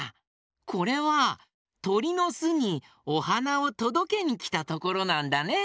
これはとりのすにおはなをとどけにきたところなんだね。